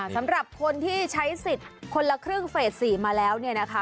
สำหรับคนที่ใช้สิทธิ์คนละครึ่งเฟส๔มาแล้วเนี่ยนะคะ